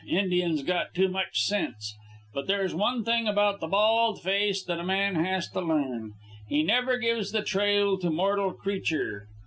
Indians got too much sense. But there's one thing about the bald face that a man has to learn: he never gives the trail to mortal creature.